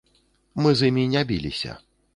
Мы з імі не біліся.